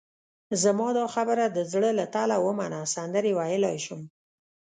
زما دا خبره د زړه له تله ومنه، سندرې ویلای شم.